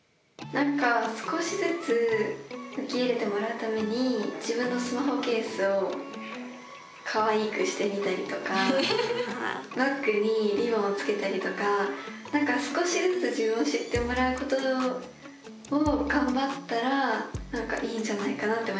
なんか少しずつ受け入れてもらうために自分のスマホケースをかわいくしてみたりとかバッグにりぼんを付けたりとかなんか少しずつ自分を知ってもらうことを頑張ったらいいんじゃないかなって思いました